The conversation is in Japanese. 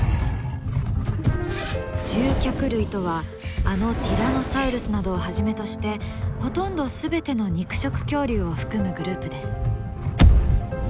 獣脚類とはあのティラノサウルスなどをはじめとしてほとんど全ての肉食恐竜を含むグループです。